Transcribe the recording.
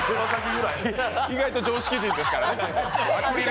以外と常識人ですからね。